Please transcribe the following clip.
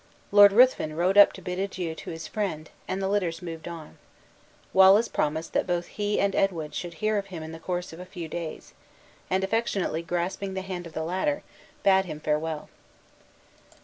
Lord Ruthven rode up to bid adieu to his friend, and the litters moved on. Wallace promised that both he and Edwin should hear of him in the course of a few days; and affectionately grasping the hand of the latter, bade him farewell.